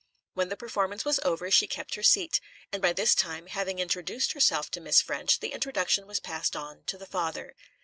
When the performance was over, she kept her seat; and by this time, having introduced herself to Miss Ffrench, the introduction was passed on to the father.